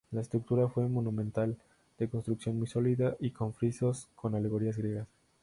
La estructura fue monumental, de construcción muy sólida y con frisos con alegorías griegas.